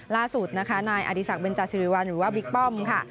ล่าสุดนะคะนายอดีศักดิเบนจาศิริวัลหรือว่าบิ๊กป้อมค่ะ